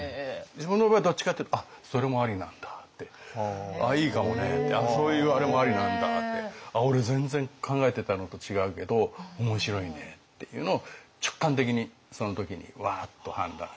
自分の場合はどっちかっていうと「あっそれもありなんだ」って「ああいいかもね」って「そういうあれもありなんだ」って「俺全然考えてたのと違うけど面白いね」っていうのを直感的にその時にワーッと判断して。